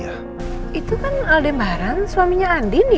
alah itu kan aldebaran suaminya andin ya